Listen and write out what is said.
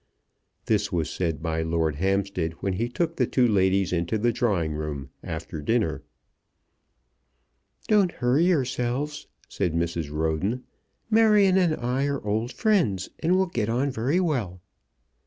This was said by Lord Hampstead when he took the two ladies into the drawing room after dinner. "Don't hurry yourselves," said Mrs. Roden. "Marion and I are old friends, and will get on very well."